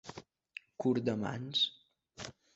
Curt de mans.